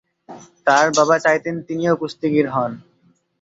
তার বাবা চাইতেন তিনিও কুস্তিগীর হন।